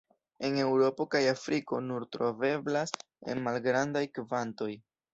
En Eŭropo kaj Afriko nur troveblas en malgrandaj kvantoj.